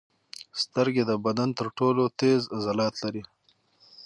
سترګې د بدن تر ټولو تېز عضلات لري.